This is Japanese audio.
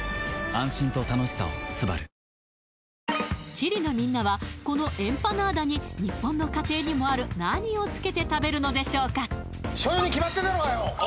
チリのみんなはこのエンパナーダに日本の家庭にもある何をつけて食べるのでしょうか？